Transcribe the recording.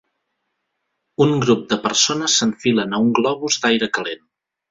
Un grup de persones s'enfilen a un globus d'aire calent.